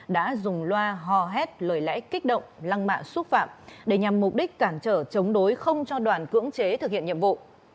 đã dùng loa hò hét lời lãi kích động lăng mạ xúc phạm để nhằm mục đích cản trở chống đối không cho đoàn cưỡng chế thực hiện nhiệm vụ